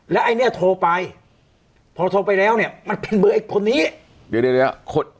แล้วไอ้เนี้ยโทรไปพอโทรไปแล้วเนี่ยมันเป็นเบอร์ไอ้คนนี้เดี๋ยวเดี๋ยวขด